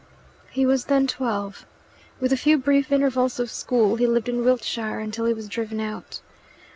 He was then twelve. With a few brief intervals of school, he lived in Wiltshire until he was driven out.